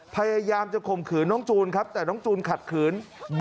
พยายามจะข่มขืนน้องจูนครับแต่น้องจูนขัดขืน